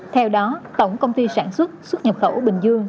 theo đó tổng công ty sản xuất xuất nhập khẩu bình dương